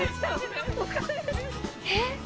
えっ？